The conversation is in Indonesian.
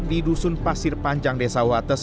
di dusun pasir panjang desawates